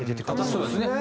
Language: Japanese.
そうですね。